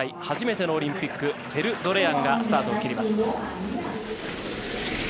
初めてのオリンピックフェルドレアンがスタート。